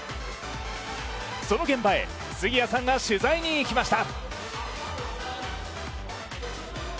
その現場へ、杉谷さんが取材に行きました。